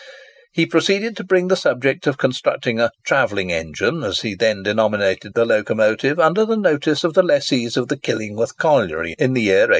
He proceeded to bring the subject of constructing a "Travelling Engine," as he then denominated the locomotive, under the notice of the lessees of the Killingworth Colliery, in the year 1813.